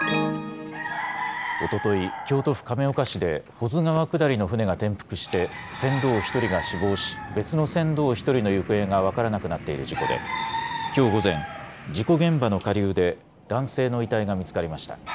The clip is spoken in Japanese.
おととい、京都府亀岡市で保津川下りの舟が転覆して船頭１人が死亡し別の船頭１人の行方が分からなくなっている事故できょう午前事故現場の下流で男性の遺体が見つかりました。